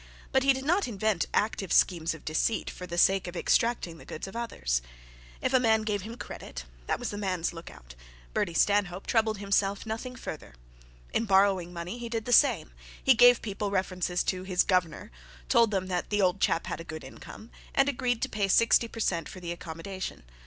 But he did not invent active schemes of deceit for the sake of extracting the goods of others. If a man gave him credit, that was the man's look out; Bertie Stanhope troubled himself nothing further. In borrowing money he did the same; he gave people references to 'his governor', told them that the 'old chap' had a good income; and agreed to pay sixty per cent for the accommodation.